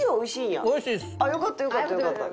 あっよかったよかった。